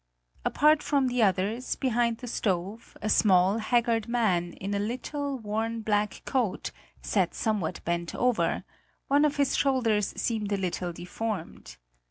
Apart from the others, behind the stove, a small, haggard man in a little worn black coat sat somewhat bent over; one of his shoulders seemed a little deformed.